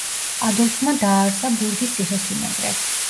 ადოლფმა დააარსა ბურგის ციხე-სიმაგრე.